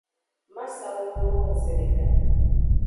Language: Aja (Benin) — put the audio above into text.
Ma sa wuwo no wo zedeka.